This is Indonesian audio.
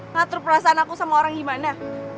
ngatur perasaan aku sama orang gimana